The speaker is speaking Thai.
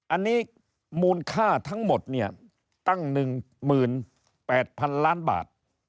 อันนี้มูลค่าทั้งหมดเนี่ยตั้ง๑๘๐๐๐ล้านบาท